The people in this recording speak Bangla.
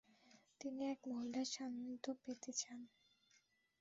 তিনি এক মহিলার সান্নিধ্য পেতে চান।